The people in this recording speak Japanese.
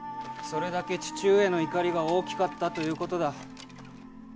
それだけ父上の怒りが大きかったということだ。